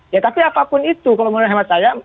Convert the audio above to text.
ya tapi apapun itu kalau mau dihemat saya